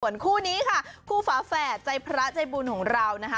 ส่วนคู่นี้ค่ะคู่ฝาแฝดใจพระใจบุญของเรานะคะ